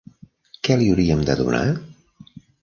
Què li hauríem de donar?